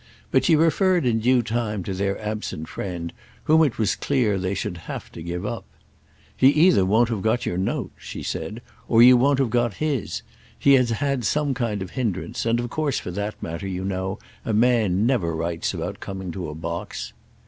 But she referred in due time to their absent friend, whom it was clear they should have to give up. "He either won't have got your note," she said, "or you won't have got his: he has had some kind of hindrance, and, of course, for that matter, you know, a man never writes about coming to a box."